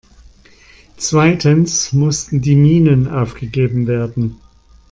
Zweitens mussten die Minen aufgegeben werden.